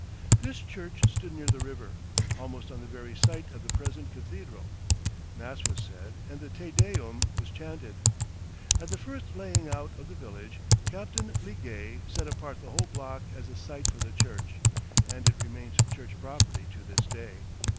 This church stood near the river, almost on the very site of the present cathedral. Mass was said, and the Te Deum was chanted. At the first laying out of the village, Captain Liguest set apart the whole block as a site for the church, and it remains church property to this day.